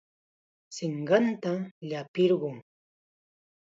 Sinqanta llapirqun.